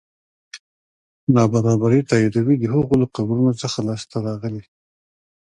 نابرابري تاییدوي د هغوی له قبرونو څخه لاسته راغلي.